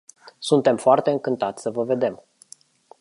Suntem foarte încântați să vă vedem.